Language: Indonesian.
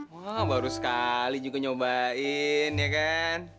wah baru sekali juga nyobain ya kan